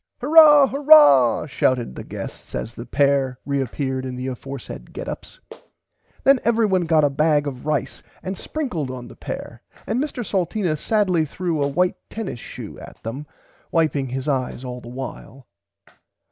Hurah hurah shouted the guests as the pair reappeard in the aforesaid get ups. Then everybody got a bag of rice and sprinkled on the pair and Mr Salteena sadly threw a white tennis shoe at them wiping his eyes the while.